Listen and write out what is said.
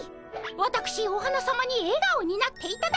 わたくしお花さまにえがおになっていただきたい。